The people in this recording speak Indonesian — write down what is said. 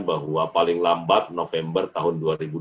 bahwa paling lambat november tahun dua ribu dua puluh